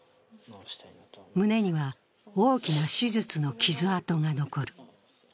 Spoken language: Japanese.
胸には大きな手術の傷痕が残る。